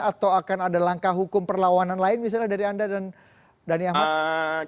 atau akan ada langkah hukum perlawanan lain misalnya dari anda dan dhani ahmad